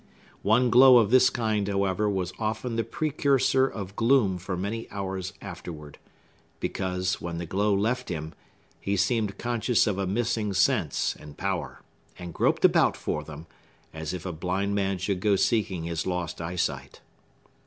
One glow of this kind, however, was often the precursor of gloom for many hours afterward; because, when the glow left him, he seemed conscious of a missing sense and power, and groped about for them, as if a blind man should go seeking his lost eyesight.